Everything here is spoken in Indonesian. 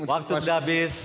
waktu sudah habis